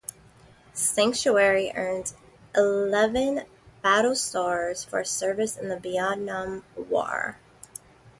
"Sanctuary" earned eleven battle stars for service in the Vietnam War.